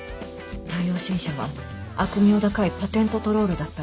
太陽新社は悪名高いパテントトロールだったの。